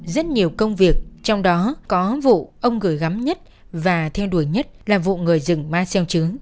rất nhiều công việc trong đó có vụ ông gửi gắm nhất và theo đuổi nhất là vụ người rừng ma xeo chứ